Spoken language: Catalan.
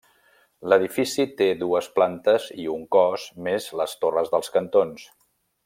L'edifici té dues plantes, i un cos més les torres dels cantons.